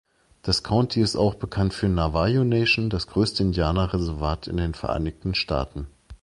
Das County ist auch bekannt für Navajo-Nation, das größte Indianerreservat in den Vereinigten Staaten.